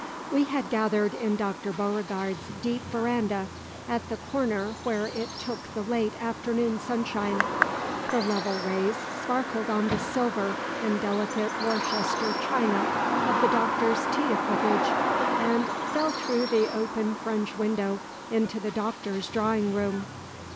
We had gathered in Dr. Beauregard's deep verandah, at the corner where it took the late afternoon sunshine. The level rays sparkled on the silver and delicate Worcester china of the Doctor's tea equipage, and fell through the open French window into the Doctor's drawing room.